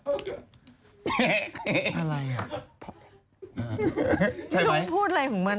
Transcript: ใช่ไหมพี่น้องพูดอะไรของมัน